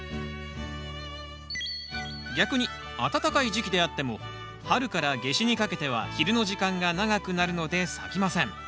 逆に暖かい時期であっても春から夏至にかけては昼の時間が長くなるので咲きません。